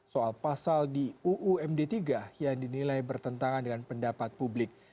soal pasal di uu md tiga yang dinilai bertentangan dengan pendatangannya